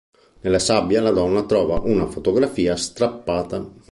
Nella sabbia la donna trova una fotografia strappata.